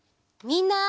みんな！